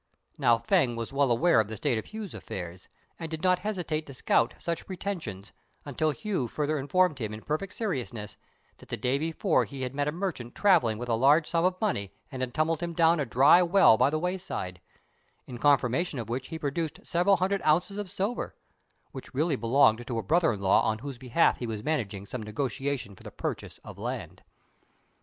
Now Fêng was well aware of the state of Hu's affairs, and did not hesitate to scout such pretensions, until Hu further informed him in perfect seriousness that the day before he had met a merchant travelling with a large sum of money and had tumbled him down a dry well by the wayside; in confirmation of which he produced several hundred ounces of silver, which really belonged to a brother in law on whose behalf he was managing some negotiation for the purchase of land.